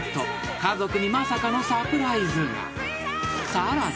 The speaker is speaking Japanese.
［さらに。